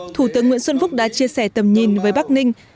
thủ tướng nguyễn xuân phúc đã chia sẻ tầm nhìn với bắc ninh